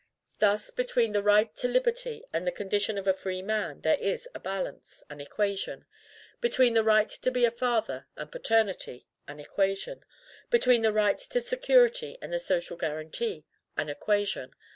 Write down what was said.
Thus, between the right to liberty and the condition of a free man there is a balance, an equation; between the right to be a father and paternity, an equation; between the right to security and the social guarantee, an equation.